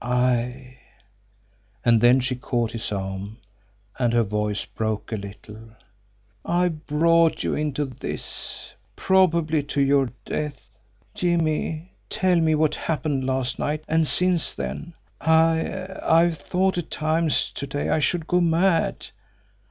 "I" and then she caught his arm, and her voice broke a little "I've brought you into this probably to your death. Jimmie, tell me what happened last night, and since then. I I've thought at times to day I should go mad.